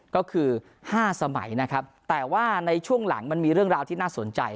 ก็คือ๕สมัยนะครับแต่ว่าในช่วงหลังมันมีเรื่องราวที่น่าสนใจ